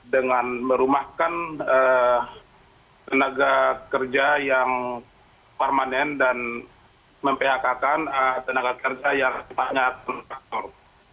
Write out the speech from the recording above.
dengan merumahkan tenaga kerja yang permanen dan mempehakakan tenaga kerja yang banyak kontraktor